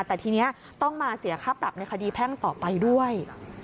แต่ทีนี้ต้องมาเสียค่าปรับในคดีแพ่งต่อไปด้วย